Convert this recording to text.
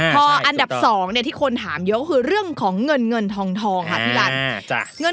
พออันดับ๒ที่คนถามเยอะก็คือเรื่องของเงินเงินทองค่ะพี่ลัน